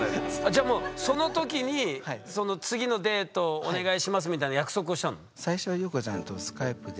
じゃもうそのときにその次のデートお願いしますみたいな約束をしたの？